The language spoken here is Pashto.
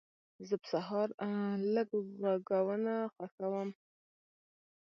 زه په سهار لږ غږونه خوښوم.